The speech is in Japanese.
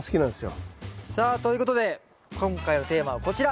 さあということで今回のテーマはこちら。